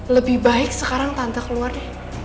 lebih baik sekarang tante keluar deh